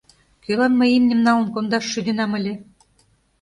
Кӧлан мый имньым налын кондаш шӱденам ыле?